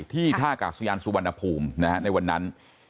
ท่ากาศยานสุวรรณภูมิในวันนั้น